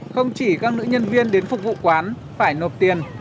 không chỉ các nữ nhân viên đến phục vụ quán phải nộp tiền